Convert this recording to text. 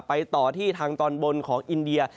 ต่อที่ทางตอนบนของอินเดีย